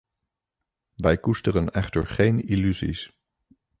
Wij koesteren echter geen illusies.